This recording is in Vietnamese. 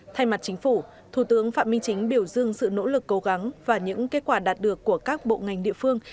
thay mặt chính phủ thủ tướng phạm minh chính biểu dương sự nỗ lực cố gắng và những kết quả đạt được của các bộ ngành địa phương